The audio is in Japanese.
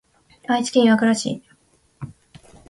愛知県岩倉市